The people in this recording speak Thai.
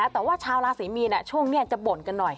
แต่ว่าชาวราศรีมีนช่วงนี้จะบ่นกันหน่อย